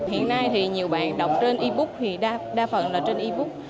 hiện nay thì nhiều bạn đọc trên e book thì đa phần là trên e book